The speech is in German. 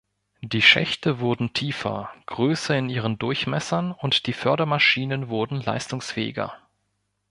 Die Schächte wurden tiefer, größer in ihren Durchmessern und die Fördermaschinen wurden leistungsfähiger.